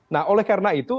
nah oleh karena itu